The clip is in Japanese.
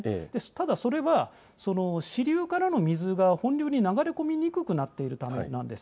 ただ、それは支流からの水が本流に流れ込みにくくなっているからです。